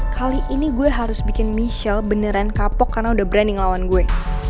kali ini gue harus bikin michelle beneran kapok karena udah branding lawan gue